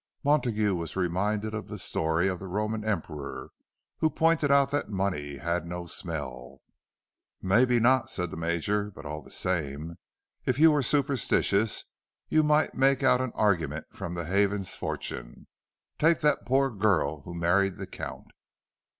Montague was reminded of the story of the Roman emperor who pointed out that money had no smell. "Maybe not," said the Major. "But all the same, if you were superstitious, you might make out an argument from the Havens fortune. Take that poor girl who married the Count."